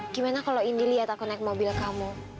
gimana kalau indi lihat aku naik mobil kamu